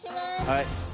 はい。